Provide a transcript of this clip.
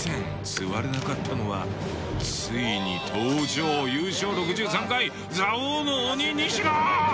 座れなかったのはついに登場優勝６３回「座王」の鬼西田。